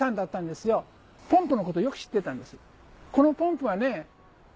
このポンプはね